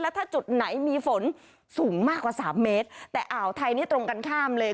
ถ้าจุดไหนมีฝนสูงมากกว่าสามเมตรแต่อ่าวไทยนี่ตรงกันข้ามเลย